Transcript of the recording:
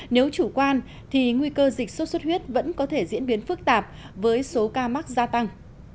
nếu chủ quan thì nguy cơ dịch sốt xuất huyết vẫn có thể diễn biến phức tạp với số ca mắc gia tăng